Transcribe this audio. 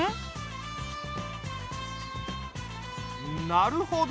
なるほど。